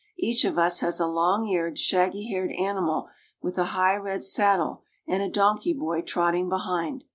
Each of us has a long eared, shaggy haired animal with a high red saddle and a donkey boy trotting behind.